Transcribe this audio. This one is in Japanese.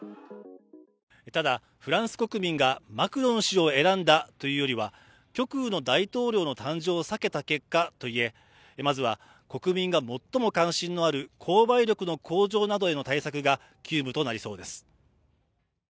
ただ、フランス国民がマクロン氏を選んだというよりは極右の大統領の誕生を避けた結果と言え、まずは国民が最も関心がある購買力の向上などへの対策が急務となりそうです。